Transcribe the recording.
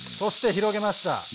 広げました。